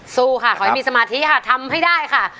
สู้ค่ะขอให้มีสมาธิค่ะทำให้ได้ค่ะ